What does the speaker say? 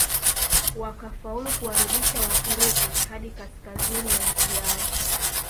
Wakafaulu kuwarudisha Waturuki hadi kaskazini ya nchi yao